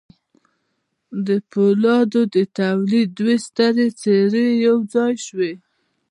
د پولادو د تولید دوې سترې څېرې یو ځای شوې